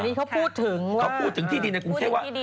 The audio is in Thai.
นี่เขาพูดถึงเขาพูดถึงที่ดินในกรุงเทพว่า